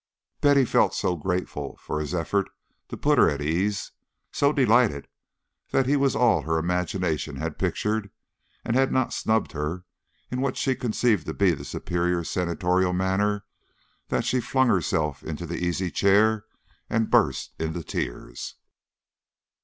Betty felt so grateful for his effort to put her at her ease, so delighted that he was all her imagination had pictured, and had not snubbed her in what she conceived to be the superior senatorial manner, that she flung herself into the easy chair and burst into tears.